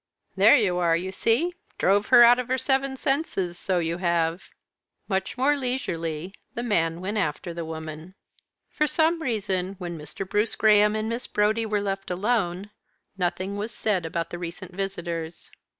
"There you are, you see drove her out of her seven senses! So you have." Much more leisurely, the man went after the woman. For some reason, when Mr. Bruce Graham and Miss Brodie were left alone, nothing was said about the recent visitors.